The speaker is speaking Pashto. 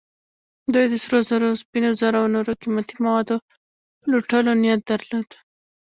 دوی د سرو زرو، سپینو زرو او نورو قیمتي موادو لوټلو نیت درلود.